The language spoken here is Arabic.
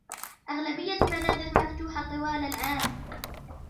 أغلبية الفنادق مفتوحة طوال العام.